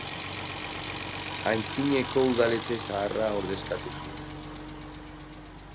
Antzineko Udaletxe Zaharra ordezkatu zuen.